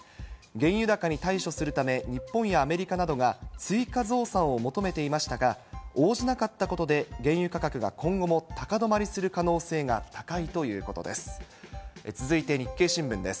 原油高に対処するため、日本やアメリカなどが、追加増産を求めていましたが、応じなかったことで、原油価格が今後も高止まりする可能性が高いということです。